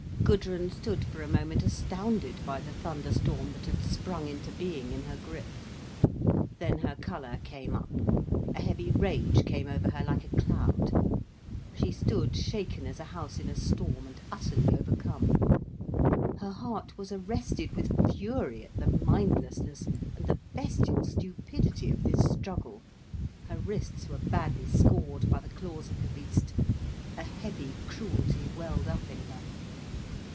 Gudrun stood for a moment astounded by the thunder storm that had sprung into being in her grip. Then her colour came up, a heavy rage came over her like a cloud. She stood shaken as a house in a storm, and utterly overcome. Her heart was arrested with fury at the mindlessness and the bestial stupidity of this struggle, her wrists were badly scored by the claws of the beast, a heavy cruelty welled up in her.